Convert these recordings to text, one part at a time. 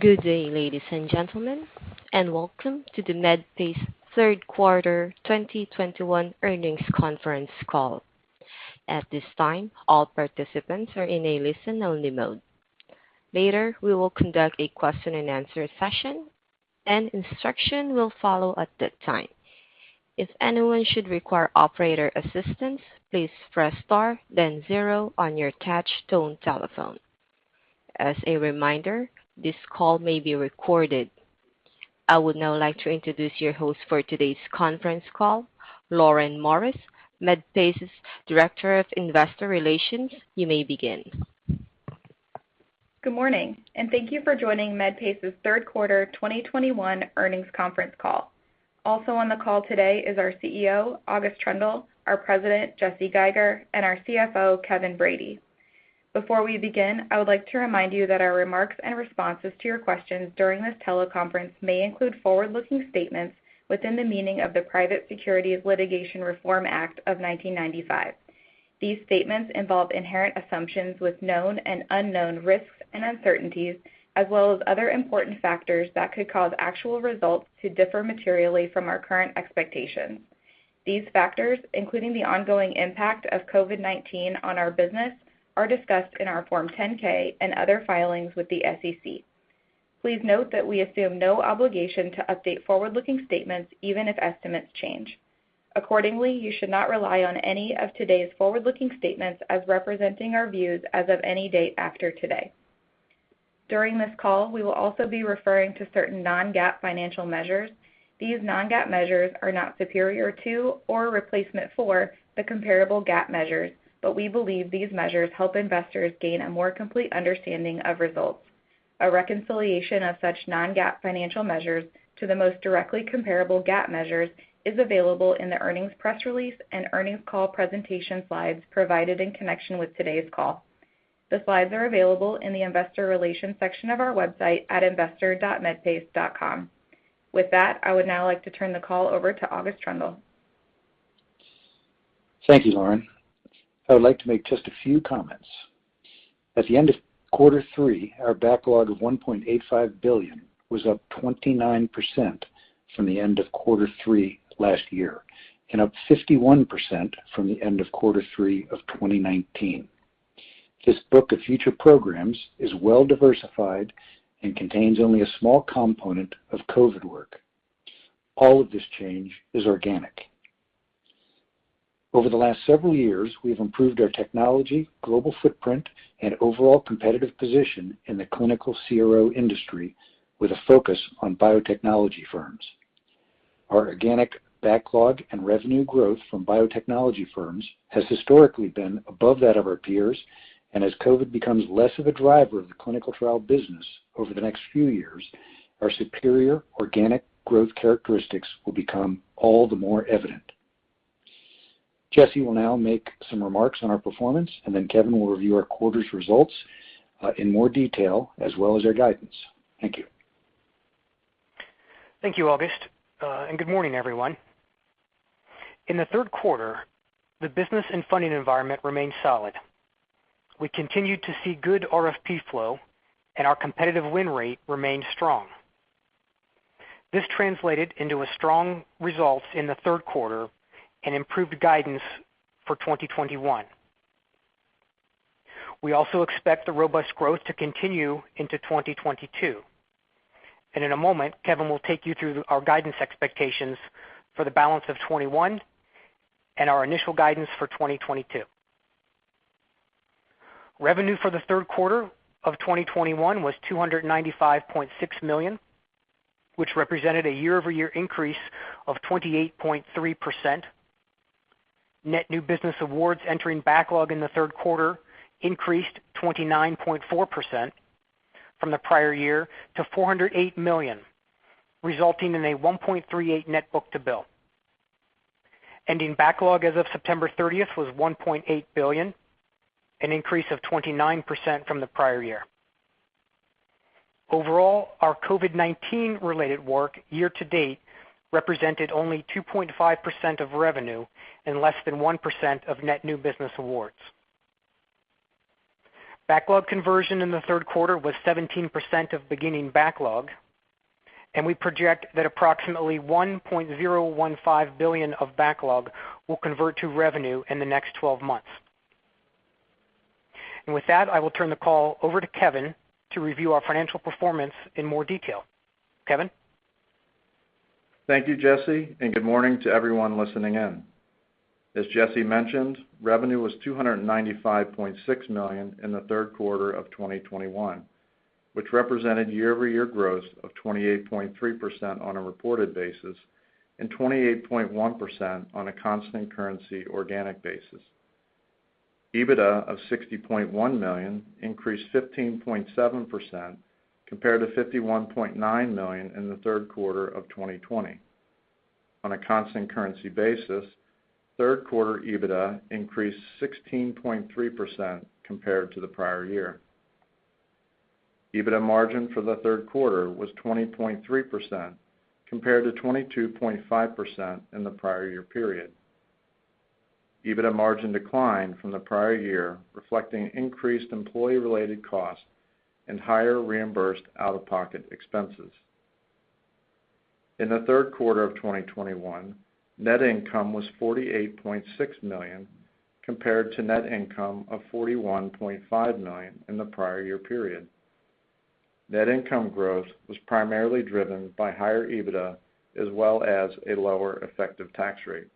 Good day, ladies and gentlemen, and welcome to the Medpace's third quarter 2021 earnings conference call. At this time, all participants are in a listen-only mode. Later, we will conduct a question-and-answer session, and instruction will follow at that time. If anyone should require operator assistance, please press star then zero on your touch tone telephone. As a reminder, this call may be recorded. I would now like to introduce your host for today's conference call, Lauren Morris, Medpace's Director of Investor Relations. You may begin. Good morning, and thank you for joining Medpace's third quarter 2021 earnings conference call. Also on the call today is our CEO, August Troendle, our President, Jesse Geiger, and our CFO, Kevin Brady. Before we begin, I would like to remind you that our remarks and responses to your questions during this teleconference may include forward-looking statements within the meaning of the Private Securities Litigation Reform Act of 1995. These statements involve inherent assumptions with known and unknown risks and uncertainties, as well as other important factors that could cause actual results to differ materially from our current expectations. These factors, including the ongoing impact of COVID-19 on our business, are discussed in our Form 10-K and other filings with the SEC. Please note that we assume no obligation to update forward-looking statements, even if estimates change. Accordingly, you should not rely on any of today's forward-looking statements as representing our views as of any date after today. During this call, we will also be referring to certain non-GAAP financial measures. These non-GAAP measures are not superior to or replacement for the comparable GAAP measures, but we believe these measures help investors gain a more complete understanding of results. A reconciliation of such non-GAAP financial measures to the most directly comparable GAAP measures is available in the earnings press release and earnings call presentation slides provided in connection with today's call. The slides are available in the investor relations section of our website at investor.medpace.com. With that, I would now like to turn the call over to August Troendle. Thank you, Lauren. I would like to make just a few comments. At the end of quarter three, our backlog of $1.85 billion was up 29% from the end of quarter three last year and up 51% from the end of quarter three of 2019. This book of future programs is well diversified and contains only a small component of COVID work. All of this change is organic. Over the last several years, we've improved our technology, global footprint, and overall competitive position in the clinical CRO industry with a focus on biotechnology firms. Our organic backlog and revenue growth from biotechnology firms has historically been above that of our peers, and as COVID becomes less of a driver of the clinical trial business over the next few years, our superior organic growth characteristics will become all the more evident. Jesse will now make some remarks on our performance, and then Kevin will review our quarter's results, in more detail as well as our guidance. Thank you. Thank you, August. Good morning, everyone. In the third quarter, the business and funding environment remained solid. We continued to see good RFP flow, and our competitive win rate remained strong. This translated into a strong result in the third quarter and improved guidance for 2021. We also expect the robust growth to continue into 2022. In a moment, Kevin will take you through our guidance expectations for the balance of 2021 and our initial guidance for 2022. Revenue for the third quarter of 2021 was $295.6 million, which represented a year-over-year increase of 28.3%. Net new business awards entering backlog in the third quarter increased 29.4% from the prior year to $408 million, resulting in a 1.38 net book-to-bill. Ending backlog as of September 30 was $1.8 billion, an increase of 29% from the prior year. Overall, our COVID-19 related work year to date represented only 2.5% of revenue and less than 1% of net new business awards. Backlog conversion in the third quarter was 17% of beginning backlog, and we project that approximately $1.015 billion of backlog will convert to revenue in the next 12 months. With that, I will turn the call over to Kevin to review our financial performance in more detail. Kevin. Thank you, Jesse, and good morning to everyone listening in. As Jesse mentioned, revenue was $295.6 million in the third quarter of 2021, which represented year-over-year growth of 28.3% on a reported basis and 28.1% on a constant currency organic basis. EBITDA of $60.1 million increased 15.7% compared to $51.9 million in the third quarter of 2020. On a constant currency basis, third quarter EBITDA increased 16.3% compared to the prior year. EBITDA margin for the third quarter was 20.3% compared to 22.5% in the prior year period. EBITDA margin declined from the prior year, reflecting increased employee-related costs and higher reimbursed out-of-pocket expenses. In the third quarter of 2021, net income was $48.6 million, compared to net income of $41.5 million in the prior year period. Net income growth was primarily driven by higher EBITDA, as well as a lower effective tax rate.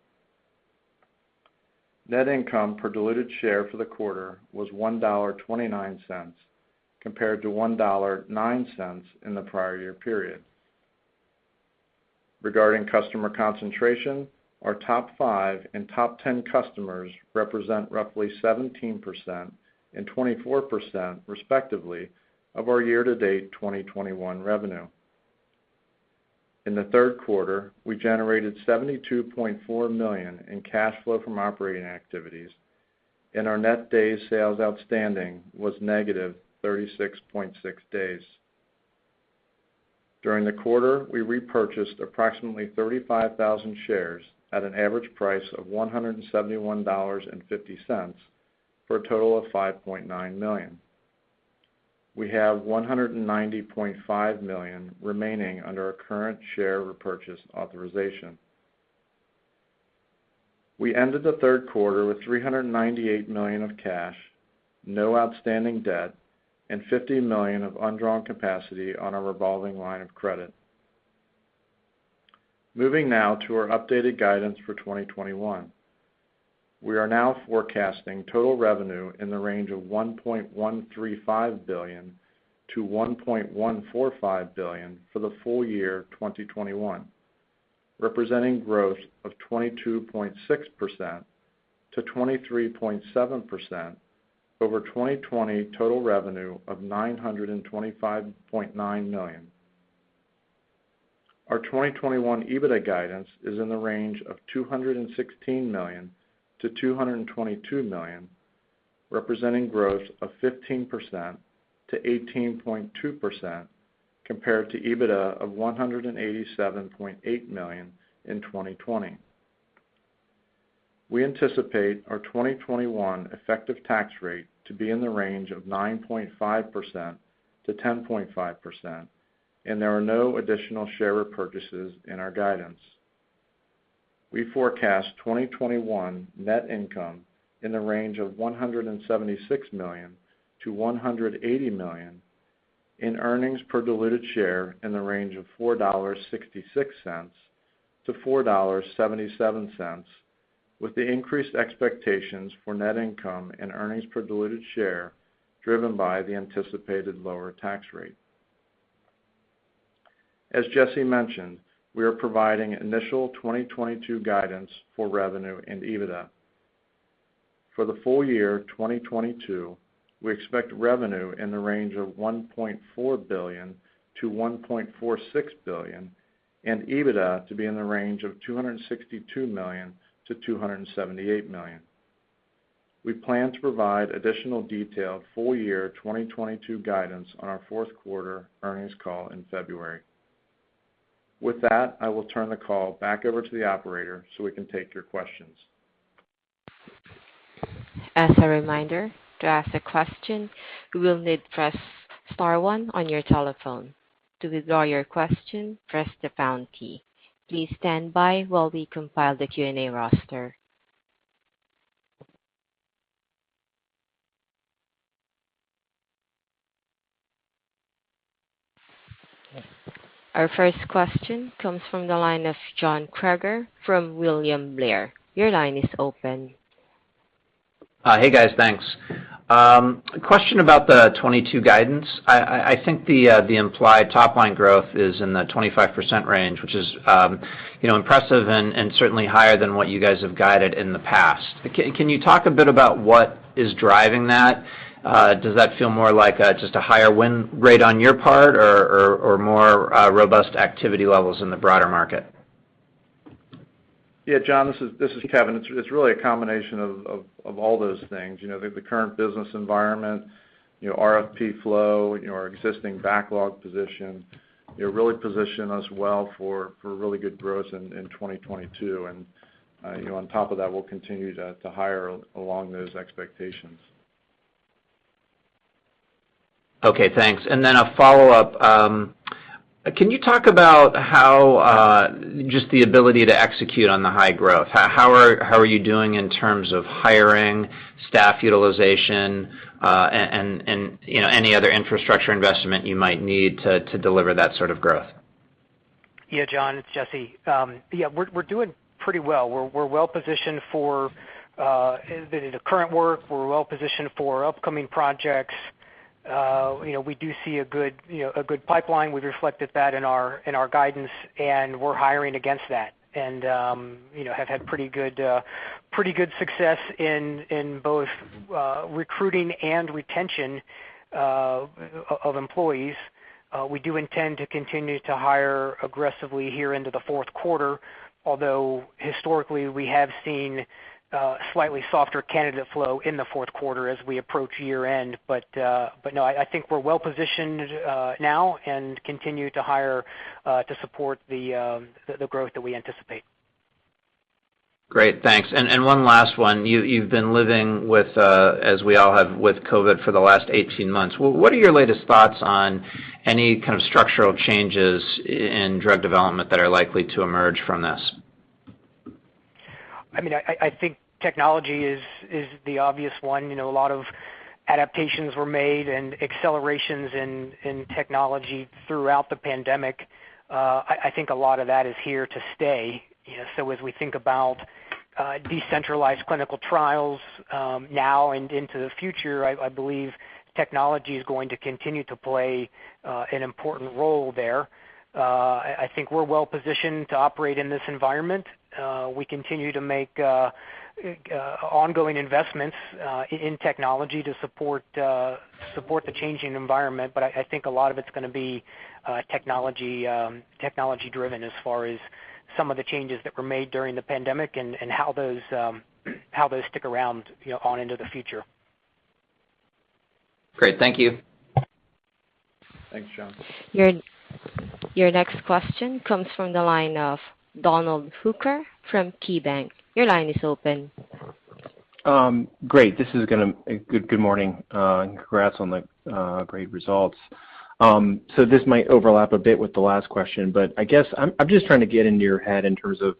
Net income per diluted share for the quarter was $1.29 compared to $1.09 in the prior year period. Regarding customer concentration, our top five and top ten customers represent roughly 17% and 24%, respectively, of our year-to-date 2021 revenue. In the third quarter, we generated $72.4 million in cash flow from operating activities, and our net days sales outstanding was -36.6 days. During the quarter, we repurchased approximately 35,000 shares at an average price of $171.50, for a total of $5.9 million. We have $190.5 million remaining under our current share repurchase authorization. We ended the third quarter with $398 million of cash, no outstanding debt, and $50 million of undrawn capacity on our revolving line of credit. Moving now to our updated guidance for 2021. We are now forecasting total revenue in the range of $1.135 billion to $1.145 billion for the full year 2021, representing growth of 22.6% to 23.7% over 2020 total revenue of $925.9 million. Our 2021 EBITDA guidance is in the range of $216 million to $222 million, representing growth of 15% to 18.2% compared to EBITDA of $187.8 million in 2020. We anticipate our 2021 effective tax rate to be in the range of 9.5% to 10.5%, and there are no additional share repurchases in our guidance. We forecast 2021 net income in the range of $176 million to $180 million, and earnings per diluted share in the range of $4.66 to $4.77, with the increased expectations for net income and earnings per diluted share driven by the anticipated lower tax rate. As Jesse mentioned, we are providing initial 2022 guidance for revenue and EBITDA. For the full year 2022, we expect revenue in the range of $1.4 billion to $1.46 billion, and EBITDA to be in the range of $262 million to $278 million. We plan to provide additional detailed full year 2022 guidance on our fourth quarter earnings call in February. With that, I will turn the call back over to the operator so we can take your questions. As a reminder to ask a question, you will need to press star one on your telephone. To withdraw your question, please press the pound key. Please stand by while we compile the Q&A roster. Our first question comes from the line of John Kreger from William Blair. Your line is open. Hey, guys. Thanks. A question about the 2022 guidance. I think the implied top line growth is in the 25% range, which is, you know, impressive and certainly higher than what you guys have guided in the past. Can you talk a bit about what is driving that? Does that feel more like just a higher win rate on your part or more robust activity levels in the broader market? Yeah, John, this is Kevin. It's really a combination of all those things. You know, the current business environment, you know, RFP flow, you know, our existing backlog position, you know, really position us well for really good growth in 2022. You know, on top of that, we'll continue to hire along those expectations. Okay, thanks. A follow-up. Can you talk about how just the ability to execute on the high growth, how are you doing in terms of hiring, staff utilization, and you know, any other infrastructure investment you might need to deliver that sort of growth? Yeah, John, it's Jesse. Yeah, we're doing pretty well. We're well positioned for the current work. We're well positioned for upcoming projects. You know, we do see a good pipeline. We've reflected that in our guidance, and we're hiring against that and have had pretty good success in both recruiting and retention of employees. We do intend to continue to hire aggressively here into the fourth quarter, although historically, we have seen slightly softer candidate flow in the fourth quarter as we approach year end. I think we're well positioned now and continue to hire to support the growth that we anticipate. Great. Thanks. One last one. You've been living with, as we all have, with COVID for the last 18 months. What are your latest thoughts on any kind of structural changes in drug development that are likely to emerge from this? I mean, I think technology is the obvious one. You know, a lot of adaptations were made and accelerations in technology throughout the pandemic. I think a lot of that is here to stay. You know, so as we think about decentralized clinical trials now and into the future, I believe technology is going to continue to play an important role there. I think we're well-positioned to operate in this environment. We continue to make ongoing investments in technology to support the changing environment. I think a lot of it's gonna be technology-driven as far as some of the changes that were made during the pandemic and how those stick around, you know, on into the future. Great. Thank you. Thanks, John. Your next question comes from the line of Donald Hooker from KeyBanc. Your line is open. Great. Good morning, and congrats on the great results. This might overlap a bit with the last question, but I guess I'm just trying to get into your head in terms of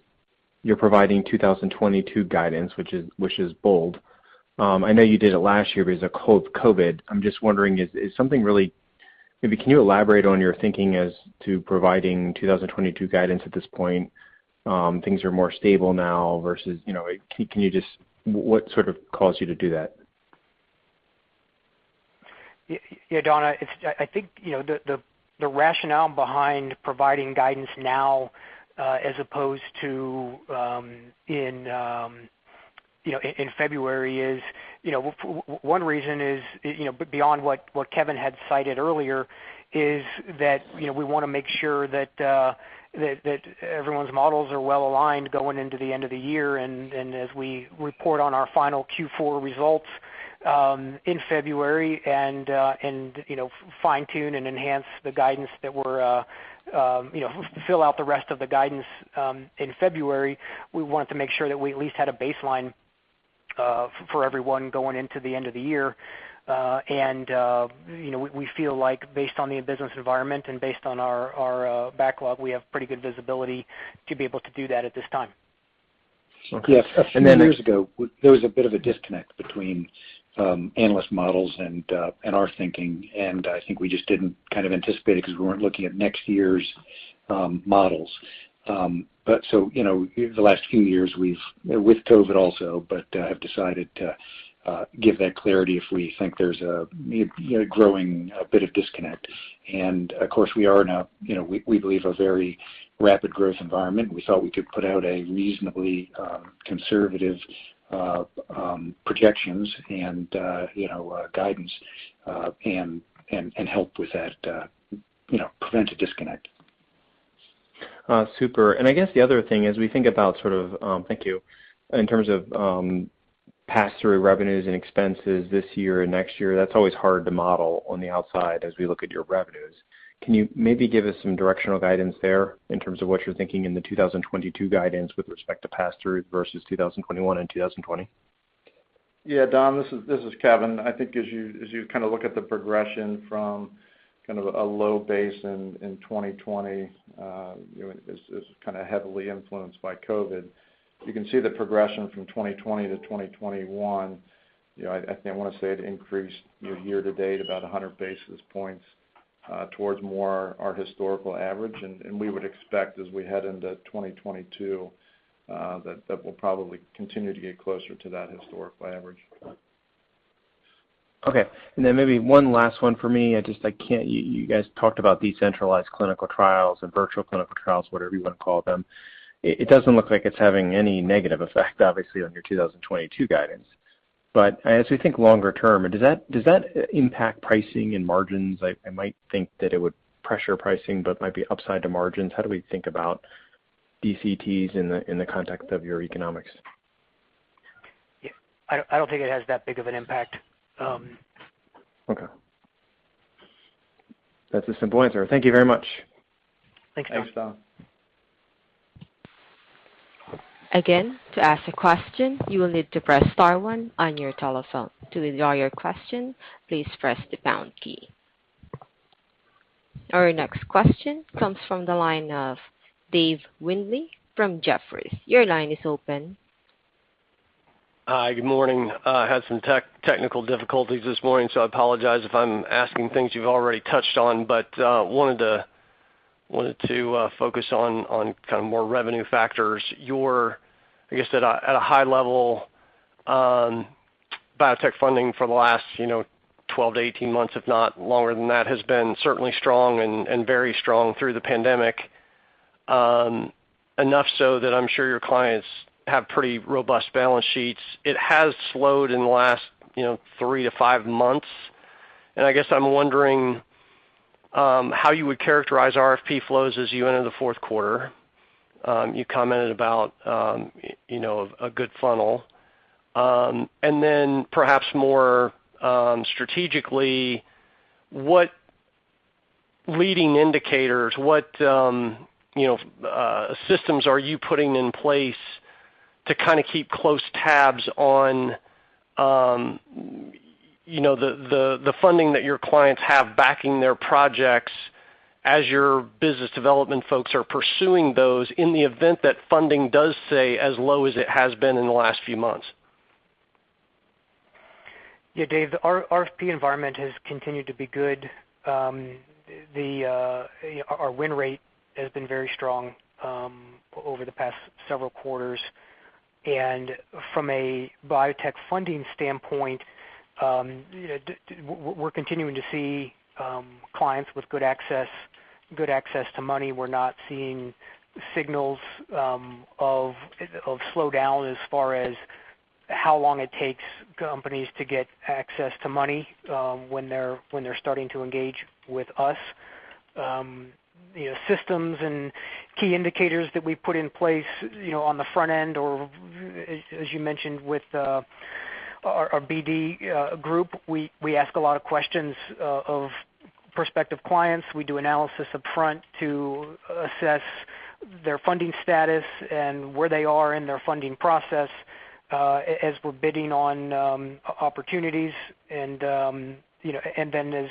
you're providing 2022 guidance, which is bold. I know you did it last year because of COVID. Maybe can you elaborate on your thinking as to providing 2022 guidance at this point? Things are more stable now versus, you know, what sort of caused you to do that? Yeah, Don, it's, I think, you know, the rationale behind providing guidance now as opposed to in, you know, in February is, you know, one reason is, you know, beyond what Kevin had cited earlier, is that, you know, we wanna make sure that everyone's models are well aligned going into the end of the year. As we report on our final Q4 results in February and fine-tune and enhance the guidance that we're fill out the rest of the guidance in February, we want to make sure that we at least had a baseline for everyone going into the end of the year. You know, we feel like based on the business environment and based on our backlog, we have pretty good visibility to be able to do that at this time. Yes. Then years ago, there was a bit of a disconnect between analyst models and our thinking, and I think we just didn't kind of anticipate it because we weren't looking at next year's models. You know, the last few years, we've with COVID also but have decided to give that clarity if we think there's you know growing a bit of disconnect. Of course, we are now you know we believe a very rapid growth environment. We thought we could put out a reasonably conservative projections and you know guidance and help with that you know prevent a disconnect. Super. I guess the other thing is we think about sort of in terms of pass-through revenues and expenses this year and next year. That's always hard to model on the outside as we look at your revenues. Can you maybe give us some directional guidance there in terms of what you're thinking in the 2022 guidance with respect to pass-through versus 2021 and 2020? Yeah, Don, this is Kevin. I think as you kind of look at the progression from kind of a low base in 2020, you know, is kind of heavily influenced by COVID. You can see the progression from 2020 to 2021, you know, I want to say it increased year to date about 100 basis points towards more our historical average. We would expect as we head into 2022, that will probably continue to get closer to that historical average. Okay. Maybe one last one for me. You guys talked about decentralized clinical trials and virtual clinical trials, whatever you wanna call them. It doesn't look like it's having any negative effect obviously on your 2022 guidance. As we think longer term, does that impact pricing and margins? I might think that it would pressure pricing but might be upside to margins. How do we think about DCTs in the context of your economics? Yeah. I don't think it has that big of an impact. Okay. That's a simple answer. Thank you very much. Thanks, Don. Thanks, Don. Again, to ask a question, you will need to press star one on your telephone. To withdraw your question, please press the pound key. Our next question comes from the line of Dave Windley from Jefferies. Your line is open. Hi. Good morning. Had some technical difficulties this morning, so I apologize if I'm asking things you've already touched on. I wanted to focus on kind of more revenue factors. At a high level, biotech funding for the last, you know, 12-18 months, if not longer than that, has been certainly strong and very strong through the pandemic, enough so that I'm sure your clients have pretty robust balance sheets. It has slowed in the last, you know, 3 to 5 months. I guess I'm wondering how you would characterize RFP flows as you enter the fourth quarter. You commented about, you know, a good funnel. Perhaps more strategically, what leading indicators, what systems are you putting in place to kind of keep close tabs on, you know, the funding that your clients have backing their projects as your business development folks are pursuing those in the event that funding does stay as low as it has been in the last few months? Yeah, Dave, our RFP environment has continued to be good. Our win rate has been very strong over the past several quarters. From a biotech funding standpoint, we're continuing to see clients with good access to money. We're not seeing signals of slowdown as far as how long it takes companies to get access to money when they're starting to engage with us. You know, systems and key indicators that we put in place, you know, on the front end or as you mentioned with our BD group, we ask a lot of questions of prospective clients. We do analysis upfront to assess their funding status and where they are in their funding process, as we're bidding on opportunities and, you know, and then as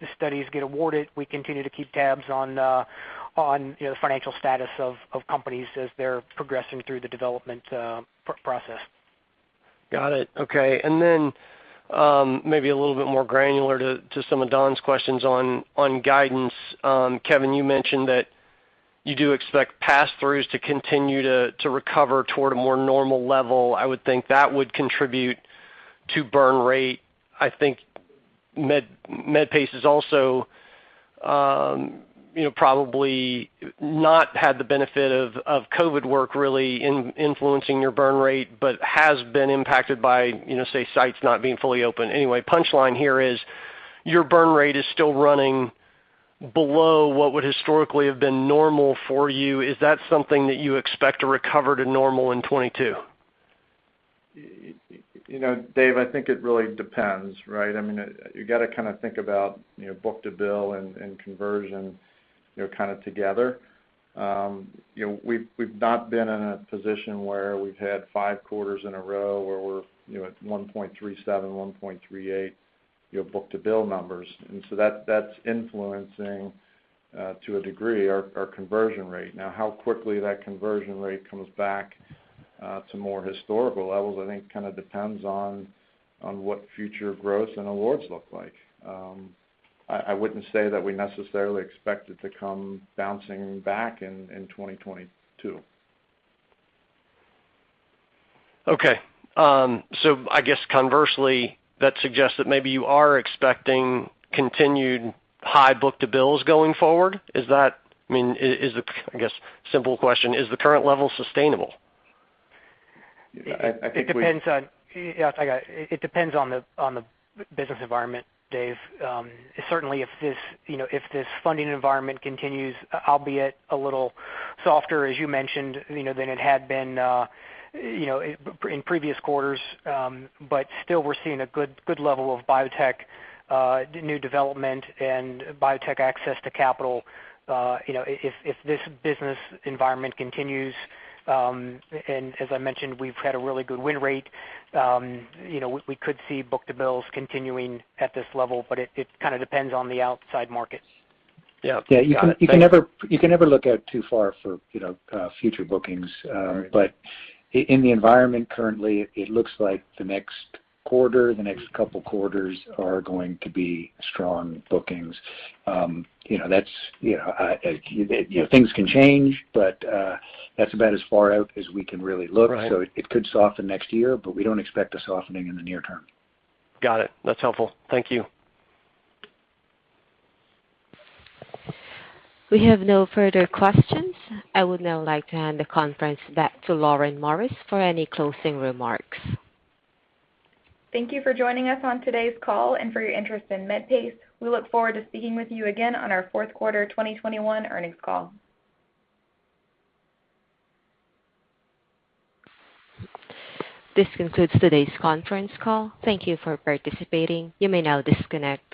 the studies get awarded, we continue to keep tabs on the, on, you know, the financial status of companies as they're progressing through the development process. Got it. Okay. Maybe a little bit more granular to some of Don's questions on guidance. Kevin, you mentioned that you do expect pass-throughs to continue to recover toward a more normal level. I would think that would contribute to burn rate. I think Medpace has also, you know, probably not had the benefit of COVID work really in influencing your burn rate, but has been impacted by, you know, say, sites not being fully open. Anyway, punchline here is, your burn rate is still running below what would historically have been normal for you. Is that something that you expect to recover to normal in 2022? You know, Dave, I think it really depends, right? I mean, you got to kind of think about, you know, book-to-bill and conversion, you know, kind of together. You know, we've not been in a position where we've had five quarters in a row where we're, you know, at 1.37, 1.38 your book-to-bill numbers. That's influencing to a degree our conversion rate. Now, how quickly that conversion rate comes back to more historical levels, I think kind of depends on what future growth and awards look like. I wouldn't say that we necessarily expect it to come bouncing back in 2022. Okay. I guess conversely, that suggests that maybe you are expecting continued high book-to-bills going forward. I mean, I guess, simple question, is the current level sustainable? I think we It depends on the business environment, Dave. Certainly if this funding environment continues, albeit a little softer, as you mentioned, you know, than it had been, you know, in previous quarters, but still we're seeing a good level of biotech new development and biotech access to capital. You know, if this business environment continues, and as I mentioned, we've had a really good win rate, you know, we could see book-to-bills continuing at this level, but it kind of depends on the outside market. Yeah. Got it. Thanks. Yeah. You can never look out too far for, you know, future bookings. Right. In the environment currently, it looks like the next quarter, the next couple quarters are going to be strong bookings. You know, that's, you know, things can change, but that's about as far out as we can really look. Right. It could soften next year, but we don't expect a softening in the near term. Got it. That's helpful. Thank you. We have no further questions. I would now like to hand the conference back to Lauren Morris for any closing remarks. Thank you for joining us on today's call and for your interest in Medpace. We look forward to speaking with you again on our fourth quarter 2021 earnings call. This concludes today's conference call. Thank you for participating. You may now disconnect.